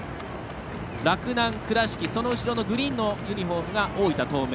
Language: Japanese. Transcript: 洛南、倉敷、後ろのグリーンのユニフォームが大分東明。